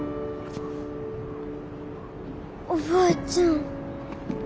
おばあちゃん